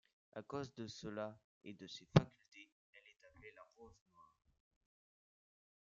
À cause de cela, et de ses facultés, elle est appelée la Rose Noire.